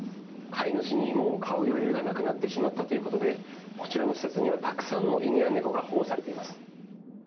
飼い主に、もう飼う余裕がなくなってしまったということでこちらの施設にはたくさんの犬や猫が保護されています。